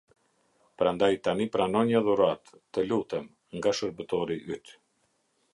Prandaj tani prano një dhuratë, të lutem, nga shërbëtori yt".